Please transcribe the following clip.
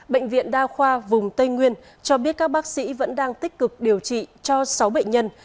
bệnh viện đa khoa vùng tây nguyên cho biết các bác sĩ vẫn đang tích cực điều trị cho sáu bệnh nhân